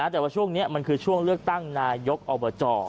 แต่ว่าช่วงนี้มันคือช่วงเลือกตั้งนายกอบจ